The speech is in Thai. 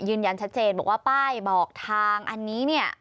ยืนยันชัดเจนบอกว่าป้ายบอกทางอันนี้เนี่ย